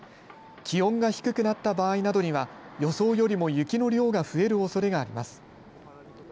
気温が低くなった場合などには予想よりも雪の量が増えるおそれがあります。